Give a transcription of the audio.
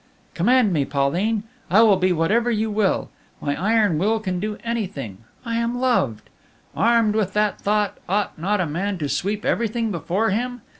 "Command me, Pauline; I will be whatever you will. My iron will can do anything I am loved! Armed with that thought, ought not a man to sweep everything before him?